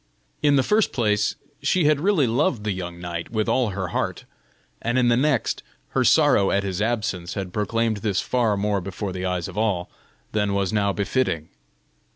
In the first place, she had really loved the young knight with all her heart, and in the next, her sorrow at his absence had proclaimed this far more before the eyes of all, than was now befitting.